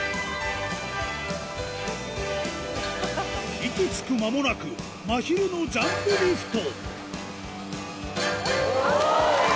息つく間もなく、まひるのジャンプリフト。